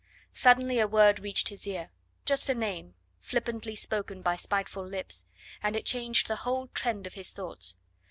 Suddenly a word reached his ear just a name flippantly spoken by spiteful lips and it changed the whole trend of his thoughts.